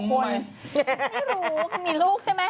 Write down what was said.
ไม่รู้ว่ามีลูกใช่ไหม